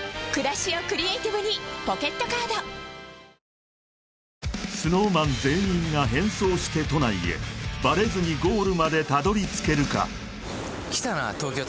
あＳｎｏｗＭａｎ全員が変装して都内へバレずにゴールまでたどり着けるか？